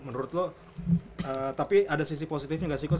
menurut lo tapi ada sisi positifnya gak sih coa